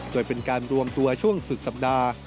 โดยเป็นการรวมตัวช่วงสุดสัปดาห์